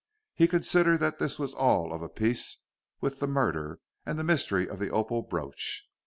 He considered that this was all of a piece with the murder and the mystery of the opal brooch.